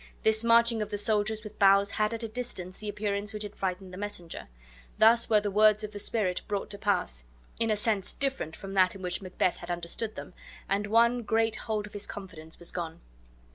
This marching of the soldiers with boughs had at a distance the appearance which had frightened the messenger. Thus were the words of the spirit brought to pass, in a sense different from that in which Macbeth had understood them, and one great hold of his confidence was gone.